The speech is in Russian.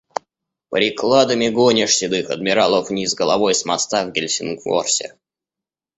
Прикладами гонишь седых адмиралов вниз головой с моста в Гельсингфорсе.